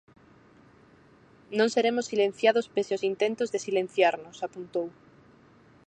Non seremos silenciados pese aos intentos de silenciarnos, apuntou.